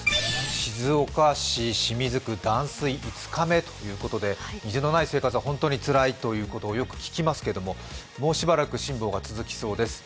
静岡市清水区断水５日目ということで水のない生活は本当につらいとよく聞きますが、もうしばらく辛抱が続きそうです。